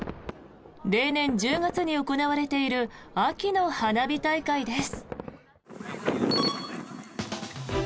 例年１０月に行われている秋の花火大会です。